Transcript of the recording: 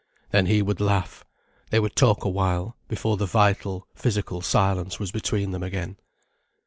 Then he would laugh, they would talk awhile, before the vital, physical silence was between them again.